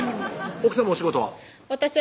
奥さまお仕事は？